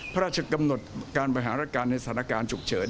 พระราชกำหนดการบริหารการในสถานการณ์ฉุกเฉิน